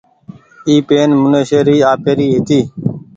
اي پين منيشي ري آپيري هيتي۔